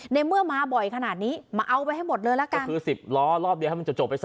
ในเมื่อมาบ่อยขนาดนี้มาเอาไปให้หมดเลยละกันก็คือสิบล้อรอบเดียวให้มันจะจบไปซะ